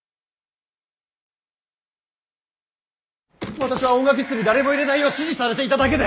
私は音楽室に誰も入れないよう指示されていただけで。